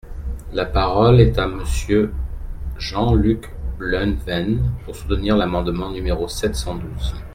La parole est à Monsieur Jean-Luc Bleunven, pour soutenir l’amendement numéro sept cent douze.